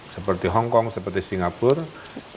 seperti hongkong seperti singapura